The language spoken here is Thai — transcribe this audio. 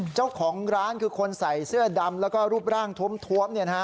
เจ้าของร้านคือคนใส่เสื้อดำแล้วก็รูปร่างท้วม